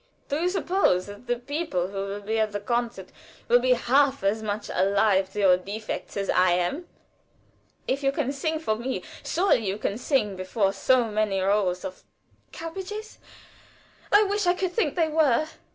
"Do you suppose that the people who will be at the concert will be half as much alive to your defects as I am? If you can sing before me, surely you can sing before so many rows of " "Cabbages? I wish I could think they were."